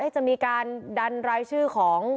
จะมีการดันรายชื่อของ